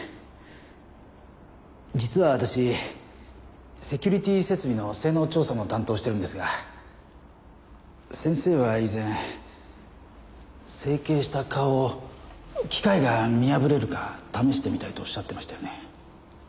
実は私セキュリティ設備の性能調査も担当してるんですが先生は以前整形した顔を機械が見破れるか試してみたいとおっしゃってましたよね？